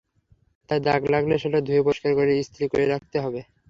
তাই দাগ লাগলে সেটা ধুয়ে পরিষ্কার করে ইস্ত্রি করে রাখতে হবে।